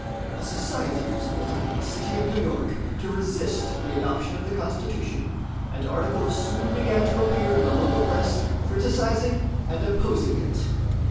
A society was formed in the city of New York to resist the adoption of the Constitution, and articles soon began to appear in the local press criticising and opposing it.